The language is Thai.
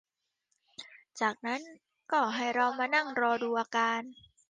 จากนั้นก็ให้เรามานั่งรอดูอาการ